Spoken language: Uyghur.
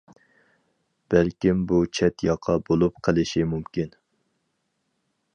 بەلكىم ئۇ چەت ياقا بولۇپ قېلىشى مۇمكىن.